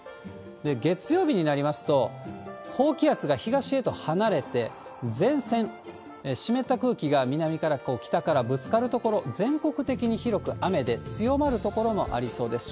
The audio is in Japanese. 月曜日になりますと、高気圧が東へと離れて、前線、湿った空気が南から北からぶつかる所、全国的に広く雨で、強まる所もありそうです。